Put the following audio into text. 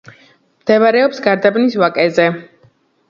მდებარეობს გარდაბნის ვაკეზე.